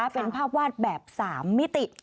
เป็นภาพวาดแบบ๓มิติ